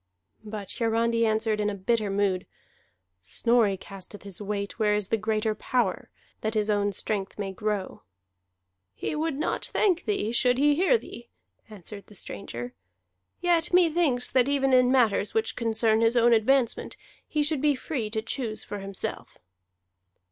But Hiarandi answered in bitter mood: "Snorri casteth his weight where is the greater power, that his own strength may grow." "He would not thank thee should he hear thee," answered the stranger. "Yet methinks that even in matters which concern his own advancement, he should be free to choose for himself."